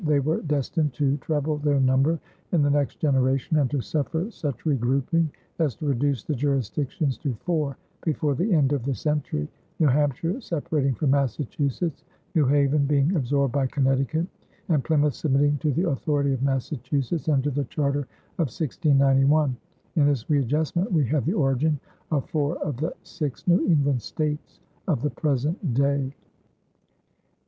They were destined to treble their number in the next generation and to suffer such regrouping as to reduce the jurisdictions to four before the end of the century New Hampshire separating from Massachusetts, New Haven being absorbed by Connecticut, and Plymouth submitting to the authority of Massachusetts under the charter of 1691. In this readjustment we have the origin of four of the six New England States of the present day.